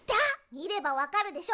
みればわかるでしょ。